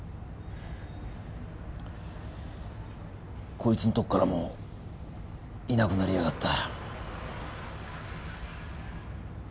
こいつんとこからもいなくなりやがった。